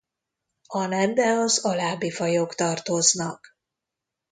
A nembe az alábbi fajok tartoznak.